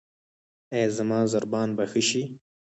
ایا زما ضربان به ښه شي؟